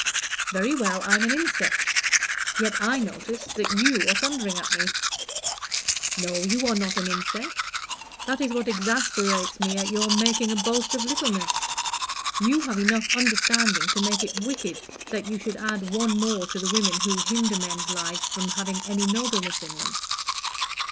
"Very well, I am an insect; yet I notice that you are thundering at me." "No, you are not an insect. That is what exasperates me at your making a boast of littleness. You have enough understanding to make it wicked that you should add one more to the women who hinder men's lives from having any nobleness in them."